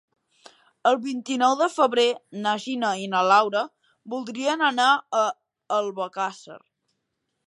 El vint-i-nou de febrer na Gina i na Laura voldrien anar a Albocàsser.